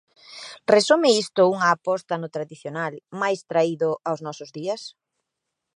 Resume isto unha aposta no tradicional, mais traído aos nosos días?